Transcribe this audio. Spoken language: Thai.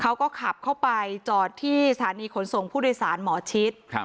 เขาก็ขับเข้าไปจอดที่สถานีขนส่งผู้โดยสารหมอชิดครับ